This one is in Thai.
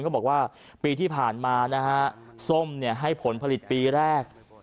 ก็บอกว่าปีที่ผ่านมานะฮะส้มให้ผลผลิตปีแรก